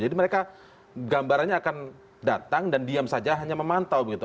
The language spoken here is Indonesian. jadi mereka gambarannya akan datang dan diam saja hanya memantau begitu